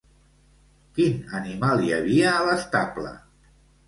Quin animal hi havia a l'estable?